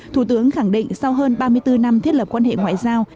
thủ tướng khẳng định sau hơn ba mươi bốn năm thiết lập quan hệ ngoại giao